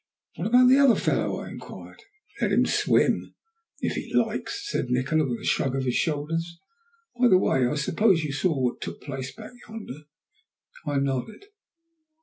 "And what about the other fellow?" I inquired. "Let him swim if he likes," said Nikola, with a shrug of his shoulders. "By the way, I suppose you saw what took place back yonder?" I nodded.